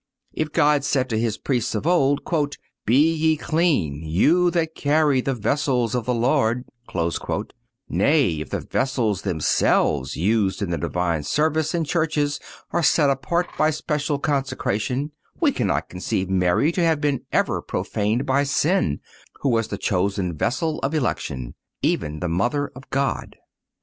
If God said to His Priests of old: "Be ye clean, you that carry the vessels of the Lord;"(220) nay, if the vessels themselves used in the divine service and churches are set apart by special consecration, we cannot conceive Mary to have been ever profaned by sin, who was the chosen vessel of election, even the Mother of God.